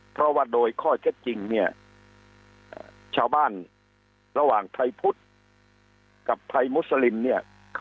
เพราะว่าโดยข้อเท็จจริงเนี่ยชาวบ้านระหว่างไทยพุทธกับไทยมุสลิมเนี่ย